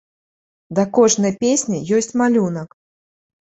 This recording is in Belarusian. Да кожнай песні ёсць малюнак.